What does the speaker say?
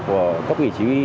của các quỷ chỉ huy